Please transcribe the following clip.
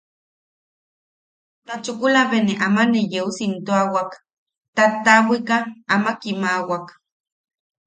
Ta chukula be ne ama ne yeu siimtuawak tataʼabwika ama kiimawak.